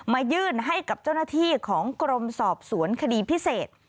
ยื่นให้กับเจ้าหน้าที่ของกรมสอบสวนคดีพิเศษ